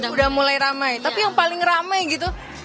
udah mulai ramai tapi yang paling ramai gitu